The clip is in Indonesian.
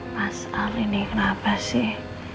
mas al ini kenapa sih